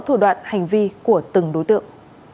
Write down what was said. thủ đoạn hành vi của từng đối tượng